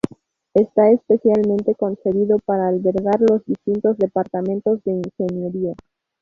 Está especialmente concebido para albergar los distintos departamentos de ingeniería.